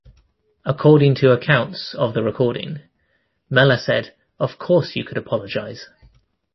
According to accounts of the recording, Mellor said: Of course you could apologise.